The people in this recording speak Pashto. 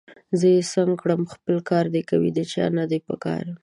زه یې څنګه کړم! خپل کار دي کوي، د چا نه ده پکار